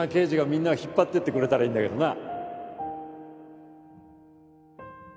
みんなを引っ張ってってくれたらいいんだけどな